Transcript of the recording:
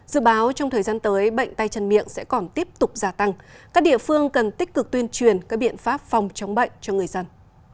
dự báo trong thời gian tới bệnh tay chân miệng sẽ còn tiếp tục giả tăng các địa phương cần tích cực tuyên truyền các biện pháp phòng chống bệnh cho người dân